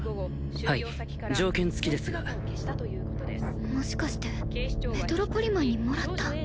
はい条件付きですがもしかしてメトロポリマンにもらった？